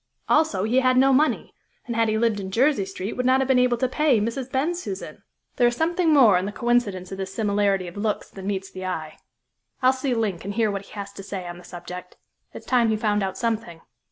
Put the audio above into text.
Also he had no money, and, had he lived in Jersey Street, would not have been able to pay Mrs. Bensusan. There is something more in the coincidence of this similarity of looks than meets the eye. I'll see Link and hear what he has to say on the subject. It's time he found out something."